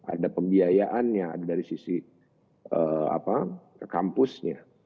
ada pembiayaannya ada dari sisi kampusnya